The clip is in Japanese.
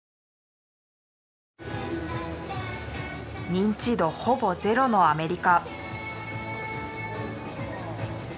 認知度ほぼゼロのアメリカ。